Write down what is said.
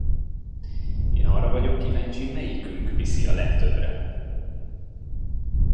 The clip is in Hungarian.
Én arra vagyok kíváncsi, melyikünk viszi a legtöbbre!